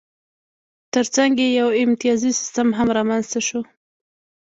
ترڅنګ یې یو امتیازي سیستم هم رامنځته شو